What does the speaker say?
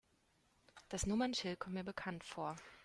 Das Nummernschild kommt mir bekannt vor.